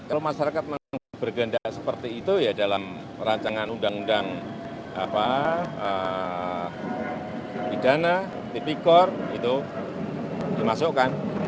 kalau masyarakat memang bergendak seperti itu ya dalam perancangan undang undang bidana tpkor itu dimasukkan